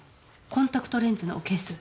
コンタクトレンズのケース？